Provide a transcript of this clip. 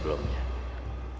bahkan semakin membaikkan saya